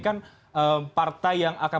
kan partai yang akan